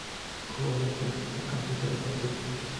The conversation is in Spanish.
Jugó de centrocampista defensivo.